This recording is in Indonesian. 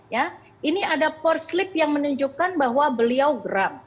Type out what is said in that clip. ya ini ada porslep yang menunjukkan bahwa beliau geram